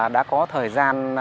đã có thời gian